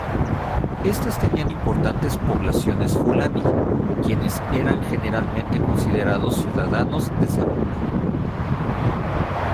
Estas tenían importantes poblaciones fulani, quienes eran generalmente considerados ciudadanos de segunda.